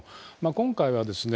今回はですね